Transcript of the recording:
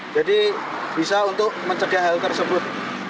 jadi bisa untuk mencegah hal tersebut